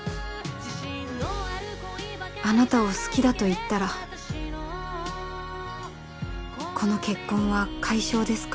あなたを好きだと言ったらこの結婚は解消ですか？